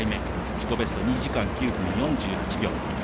自己ベスト２時間９分４８秒。